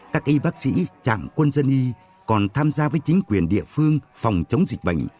các y bác sĩ trạm quân dân y còn tham gia với chính quyền địa phương phòng chống dịch bệnh